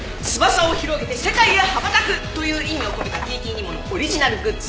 翼を広げて世界へ羽ばたく！という意味を込めたＴＴ−Ｎｉｍｏのオリジナルグッズ。